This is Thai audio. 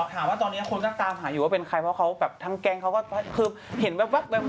ถามว่าตอนนี้คนก็ตามหาอยู่ว่าเป็นใครเพราะเขาแบบทั้งแก๊งเขาก็คือเห็นแว๊บ